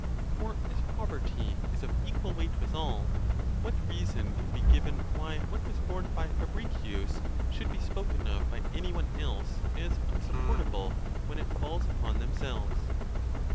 For as poverty is of equal weight with all, what reason can be given why what was borne by Fabricius should be spoken of by any one else as unsupportable when it falls upon themselves?